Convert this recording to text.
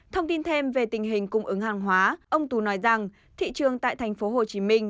thông tin thêm về tình hình cung ứng hàng hóa ông tú nói rằng thị trường tại thành phố hồ chí minh